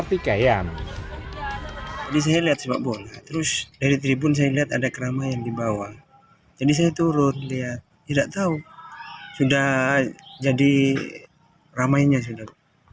pemain yang berjaga di stadion bisa melerai pertikaian